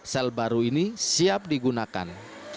sel baru ini siap digunakan